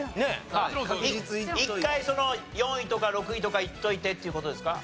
一回４位とか６位とかいっといてという事ですか？